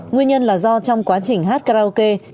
nguyên nhân là do trong quá trình hát karaoke